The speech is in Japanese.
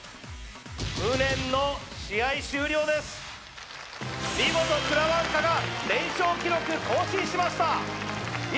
無念の試合終了です見事くらわんかが連勝記録更新しましたいや